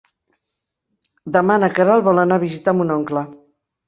Demà na Queralt vol anar a visitar mon oncle.